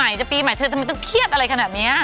จะปีใหม่เธอทำไมต้องเครียดอะไรขนาดนี้